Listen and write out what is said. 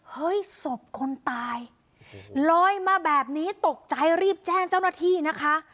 เฮ้ยศพคนตายลอยมาแบบนี้ตกใจรีบแจ้งเจ้าหน้าที่นะคะ